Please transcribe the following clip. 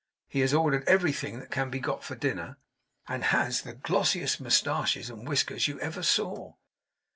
'He has ordered everything that can be got for dinner; and has the glossiest moustaches and whiskers ever you saw.